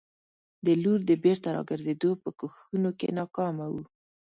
د لور د بېرته راګرزېدو په کوښښونو کې ناکامه وو.